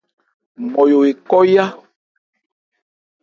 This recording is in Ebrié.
Nmɔyo ekɔ́ yá.